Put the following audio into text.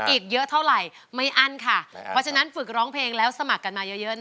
อีกเยอะเท่าไหร่ไม่อั้นค่ะเพราะฉะนั้นฝึกร้องเพลงแล้วสมัครกันมาเยอะ